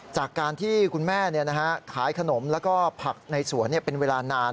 จากการที่คุณแม่ขายขนมแล้วก็ผักในสวนเป็นเวลานาน